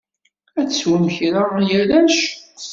Ad teswem kra a arrac?